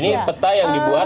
ini peta yang dibuat